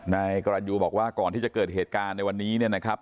นายกรรณยูบอกว่าก่อนที่จะเกิดเหตุการณ์ในวันนี้เนี่ยนะครับ